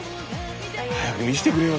早く見せてくれよ。